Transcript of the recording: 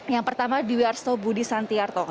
yang pertama dewi arstow budi santiartong